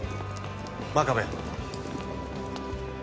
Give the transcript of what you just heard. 真壁。